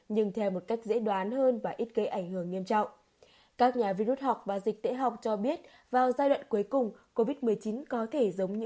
nhưng mục tiêu này đang ngày càng trở nên khó thành